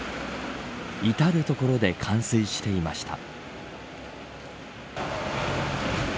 至る所で冠水していしました。